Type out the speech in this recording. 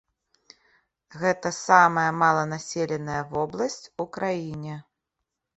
Гэта самая маланаселеная вобласць у краіне.